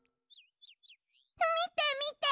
みてみて！